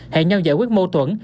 hẹn nhau giải quyết mâu thuẫn